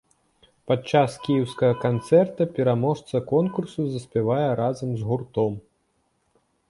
Падчас кіеўскага канцэрта пераможца конкурсу заспявае разам з гуртом.